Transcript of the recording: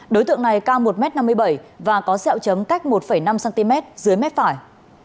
đối tượng này cao một m năm mươi bảy và có sẹo chấm cách một năm cm dưới mép phải